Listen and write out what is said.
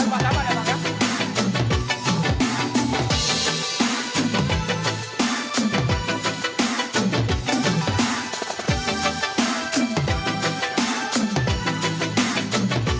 mari kita saksikan sama sama